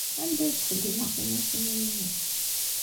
Anda ay ttṣeggimeɣ timacinin-inu?